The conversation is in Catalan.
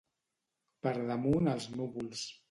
Per damunt els núvols.